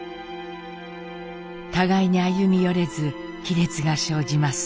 互いに歩み寄れず亀裂が生じます。